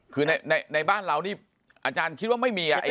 คือในบ้านเรานี่อาจารย์คิดว่าไม่มี